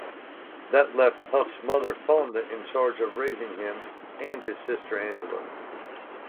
That left Huff's mother Fonda in charge of raising him and his sister Angela.